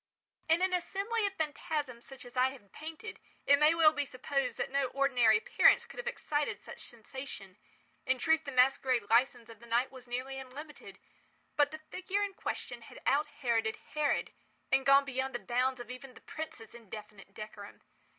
In an assembly of phantasms such as I have painted, it may well be supposed that no ordinary appearance could have excited such sensation. In truth the masquerade licence of the night was nearly unlimited; but the figure in question had out Heroded Herod, and gone beyond the bounds of even the prince's indefinite decorum.